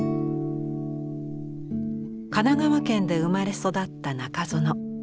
神奈川県で生まれ育った中園。